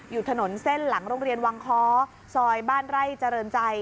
อยู่ถนนเส้นหลังโรงเรียนวังค้อซอยบ้านไร่เจริญใจ